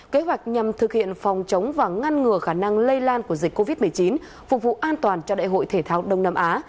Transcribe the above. kế hoạch nhằm thực hiện phòng chống và ngăn ngừa khả năng lây lan của dịch covid một mươi chín phục vụ an toàn cho đại hội thể thao đông nam á